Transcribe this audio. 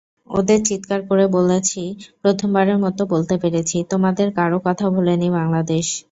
ওঁদের চিৎকার করে বলেছি, প্রথমবারের মতো বলতে পেরেছি—তোমাদের কারও কথা ভোলেনি বাংলাদেশ।